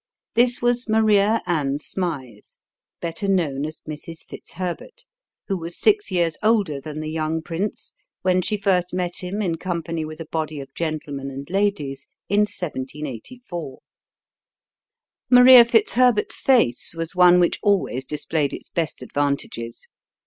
This was Maria Anne Smythe, better known as Mrs. Fitzherbert, who was six years older than the young prince when she first met him in company with a body of gentlemen and ladies in 1784. Maria Fitzherbert's face was one which always displayed its best advantages.